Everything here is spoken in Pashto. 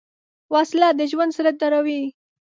وسله د ژوند زړه دروي